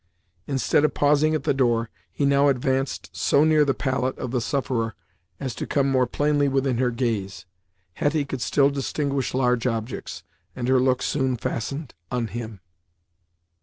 Instead of pausing at the door, he now advanced so near the pallet of the sufferer as to come more plainly within her gaze. Hetty could still distinguish large objects, and her look soon fastened on him.